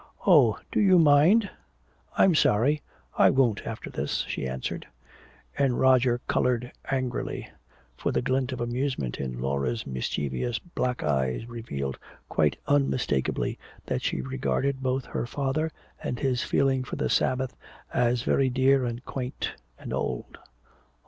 "Oh, do you mind? I'm sorry. I won't, after this," she answered. And Roger colored angrily, for the glint of amusement in Laura's mischievous black eyes revealed quite unmistakably that she regarded both her father and his feeling for the Sabbath as very dear and quaint and old.